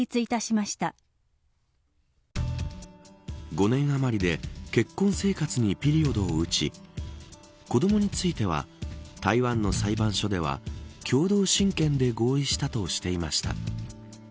５年余りで結婚生活にピリオドを打ち子どもについては台湾の裁判所では共同親権で合意したとしていました。